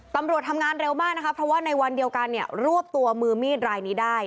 ตำรวจทำงานเร็วมากนะคะเพราะว่าในวันเดียวกันเนี่ยรวบตัวมือมีดรายนี้ได้